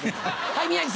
はい。